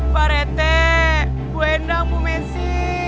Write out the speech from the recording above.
pak rete bu hendang bu mensi